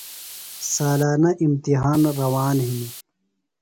سالانہ اِمتحان روان ہِنیۡ۔